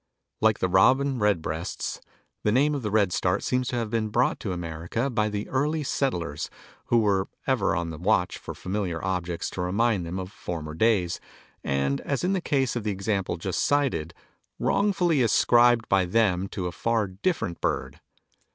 Like the robin red breasts, the name of the Redstart seems to have been brought to America by the earlier settlers who were ever on the watch for familiar objects to remind them of former days, and, as in the case of the example just cited, wrongfully ascribed by them to a far different bird.